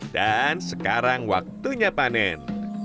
dan sekarang waktunya panen